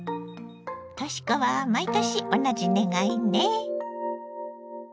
とし子は毎年同じ願いね。